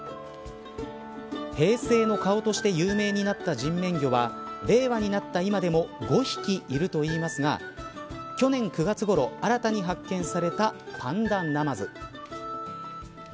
平成の顔として有名になった人面魚は令和になった今でも５匹いるといいますが去年９月ごろ、新たに発見されたパンダナマズ。